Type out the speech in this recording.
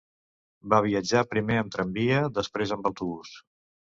Va viatjar primer amb tramvia, després amb autobús